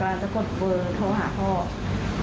แล้วอ่ะคือมันหลุมกันเลย